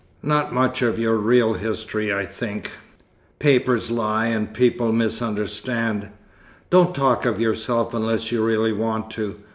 "Not much of your real history, I think. Papers lie, and people misunderstand. Don't talk of yourself unless you really want to.